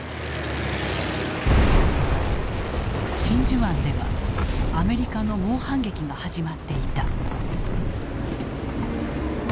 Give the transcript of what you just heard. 真珠湾ではアメリカの猛反撃が始まっていた。